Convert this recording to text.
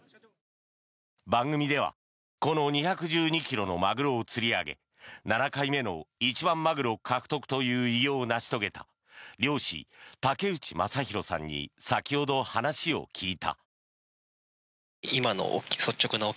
番組では、この２１２ｋｇのマグロを釣り上げ７回目の一番マグロ獲得という偉業を成し遂げた漁師・竹内正弘さんに先ほど話を聞いた。